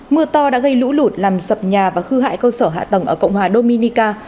mưa to đã gây lũ lụt làm sập nhà và khư hại cơ sở hạ tầng ở cộng hòa dominica